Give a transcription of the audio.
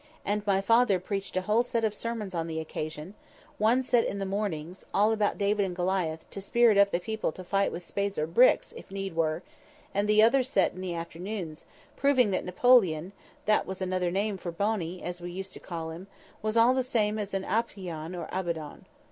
And my father preached a whole set of sermons on the occasion; one set in the mornings, all about David and Goliath, to spirit up the people to fighting with spades or bricks, if need were; and the other set in the afternoons, proving that Napoleon (that was another name for Bony, as we used to call him) was all the same as an Apollyon and Abaddon.